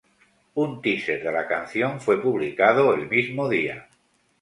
Un "teaser" de la canción fue publicado el mismo día.